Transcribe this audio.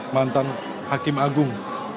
mantan hakim agung